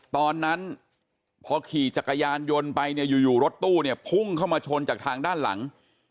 ตอนนั้นพอขี่จักรยานยนต์ไปเนี่ยอยู่รถตู้เนี่ยพุ่งเข้ามาชนจากทางด้านหลัง